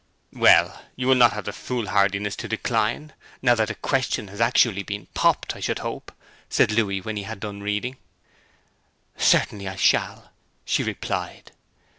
'Well, you will not have the foolhardiness to decline, now that the question has actually been popped, I should hope,' said Louis, when he had done reading. 'Certainly I shall,' she replied.